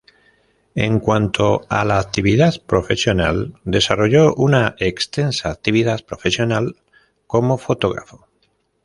En cuanto a la actividad profesional desarrolló una extensa actividad profesional como fotógrafo.